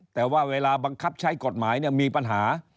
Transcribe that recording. แต่ว่าเวลาบังคับใช้กฎหมายมีปัญหา